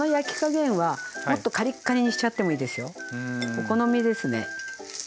お好みですね。